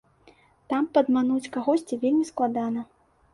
Там падмануць кагосьці вельмі складана.